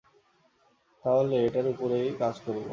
তাহলে এটার উপরেই কাজ করবো।